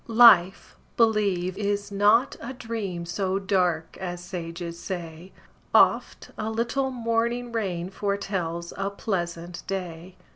Life, believe, is not a dream So dark as sages say; Oft a little morning rain Foretells a pleasant day.